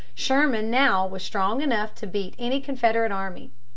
Sherman now was strong enough to beat any Confederate army.